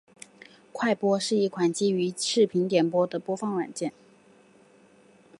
快播是一款基于视频点播的播放软件。